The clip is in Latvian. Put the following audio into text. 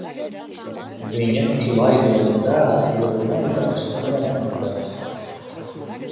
Viņa Klaidoņa tēls kļuva maigāks un romantiskāks.